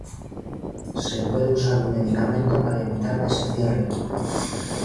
Se puede usar un medicamento para evitar que se cierre.